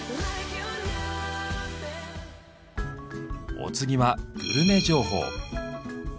お次はグルメ情報。